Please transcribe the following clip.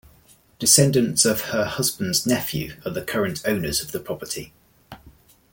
Descendants of her husband's nephew are the current owners of the property.